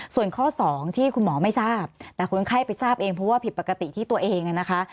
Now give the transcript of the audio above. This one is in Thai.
ส่วนข้อสองที่คุณหมอไม่ทราบแต่คนไข้ไปทราบเองเพราะว่าผิดปกติที่ตัวเองนะคะ